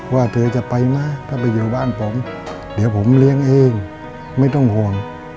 ว่าเธอจะไปไหมถ้าไปอยู่บ้านผมเดี๋ยวผมเลี้ยงเองไม่ต้องห่วง